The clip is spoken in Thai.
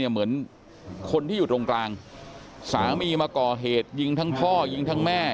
เหมือนคนที่อยู่ตรงกลางสามีมาก่อเหตุยิงทั้งพ่อยิงทั้งแม่